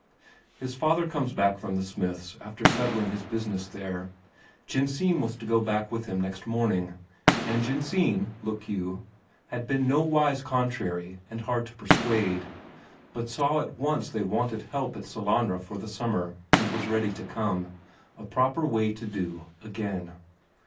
His father comes back from the smith's after settling his business there; Jensine was to go back with him next morning. And Jensine, look you, had been nowise contrary and hard to persuade, but saw at once they wanted help at Sellanraa for the summer, and was ready to come. A proper way to do, again.